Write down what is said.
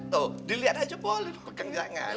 tuh dilihat aja boleh pegang jangan